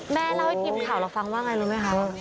เล่าให้ทีมข่าวเราฟังว่าไงรู้ไหมคะ